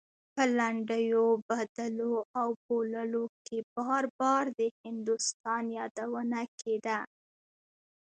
په لنډيو بدلو او بوللو کې بار بار د هندوستان يادونه کېده.